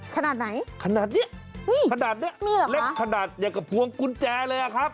ขนาดไหนขนาดนี้ขนาดนี้เล็บขนาดอย่างกับพร้วงกุญแจเลยครับ